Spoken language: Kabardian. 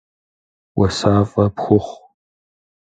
Уасафӏэ пхухъу.